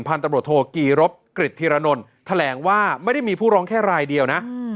ตำรวจโทกีรบกริจธิรนลแถลงว่าไม่ได้มีผู้ร้องแค่รายเดียวนะ